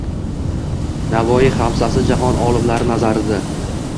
Navoiy “Xamsa”si ‒ jahon olimlari nazarida